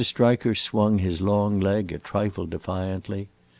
Striker swung his long leg a trifle defiantly.